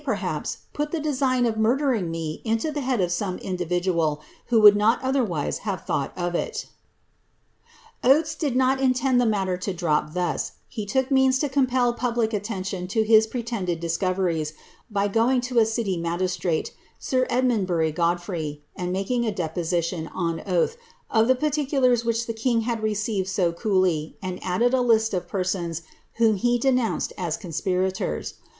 perhaps, put the desinpi of murdering me into die ImmI of some individual, who would not otherwise have thought of it' Oates did nut intend the matter to drop thus: he took menns to eompd public attention to his pretended discoveries, by going to a city magii tratc, sir Edmundbury Godfrey, and making a deposition, on oath, of the particulars which the king had received so coolly, and added a list of persons, whom he denounced as conspirators.